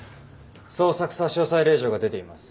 捜索差押令状が出ています。